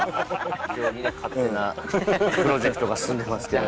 非常にね勝手なプロジェクトが進んでますけど。